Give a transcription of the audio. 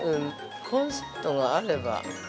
◆コンセントがあれば。